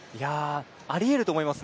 ありえると思います。